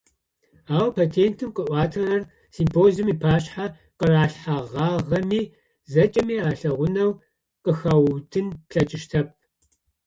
Ау, патентым къыӏуатэрэр, симпозиумым ыпашъхьэ къыралъхьэгъагъэми, зэкӏэми алъэгъунэу къыхэуутын плъэкӏыщтэп.